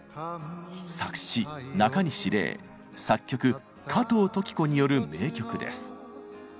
作詞なかにし礼作曲加藤登紀子による名曲です。